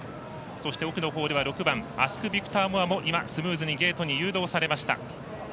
そして６番、アスクビクターモアも今、スムーズにゲートに誘導されました。